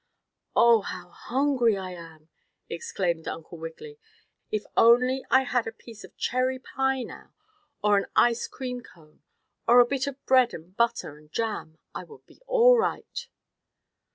"Oh, how hungry I am!" exclaimed Uncle Wiggily. "If only I had a piece of cherry pie now, or an ice cream cone, or a bit of bread and butter and jam I would be all right."